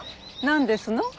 なんですの？